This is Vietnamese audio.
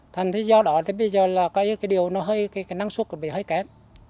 thành ra do đó thì bây giờ cái điều nó hơi năng suất bị hơi kém